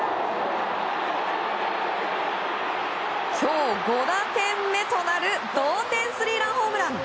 今日５打点目となる同点スリーランホームラン。